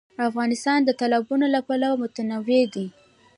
افغانستان د تالابونه له پلوه متنوع دی.